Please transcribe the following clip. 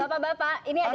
bapak bapak ini ada satu